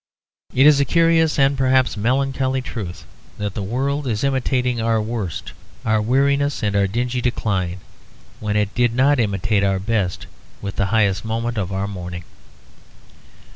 It is a curious and perhaps melancholy truth that the world is imitating our worst, our weariness and our dingy decline, when it did not imitate our best and the high moment of our morning.